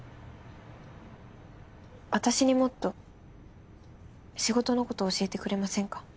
私にもっと仕事のこと教えてくれませんか。